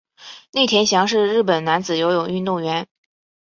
内田翔是日本男子游泳运动员。